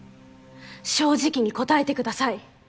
正直に答えてください。